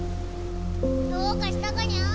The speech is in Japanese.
・どうかしたかニャ？